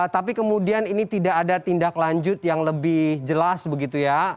tapi kemudian ini tidak ada tindak lanjut yang lebih jelas begitu ya